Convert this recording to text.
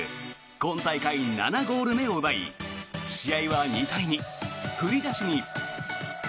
今大会７ゴール目を奪い試合は２対２、振り出しに。